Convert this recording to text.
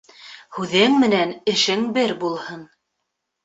Һүҙең менән эшең бер булһын.